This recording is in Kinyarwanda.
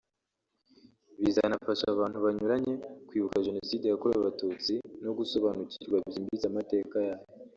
bizanafasha abantu banyuranye kwibuka Jenoside yakorewe Abatutsi no gusobanukirwa byimbitse amateka yayo